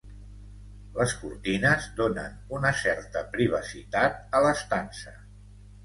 Les cortines donen una certa privacitat a l'estança